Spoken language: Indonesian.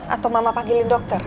atau mama panggilin dokter